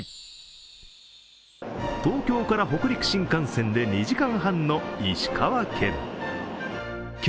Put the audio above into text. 東京から北陸新幹線で２時間半の石川県。